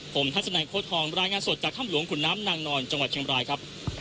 ผมทัศนัยโค้ดทองรายงานสดจากถ้ำหลวงขุนน้ำนางนอนจังหวัดเชียงบรายครับ